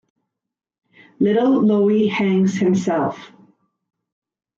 Little Loewy hangs himself.